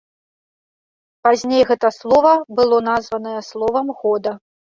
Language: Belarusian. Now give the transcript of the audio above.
Пазней гэта слова было названае словам года.